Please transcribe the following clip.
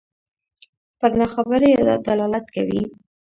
پر ناخبرۍ دلالت کوي.